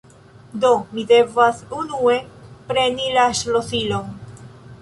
do mi devas unue preni la ŝlosilon